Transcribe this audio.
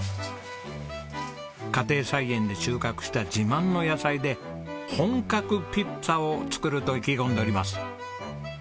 家庭菜園で収穫した自慢の野菜で本格ピッツァを作ると意気込んでおります。